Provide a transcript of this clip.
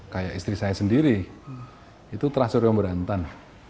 kayak istri saya sendiri itu terasa rambut berantan